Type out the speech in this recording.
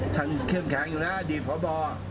ฉันเครียดแข็งอยู่แล้วดีพอบอ